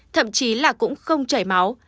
thậm chí là cũng không chảy máu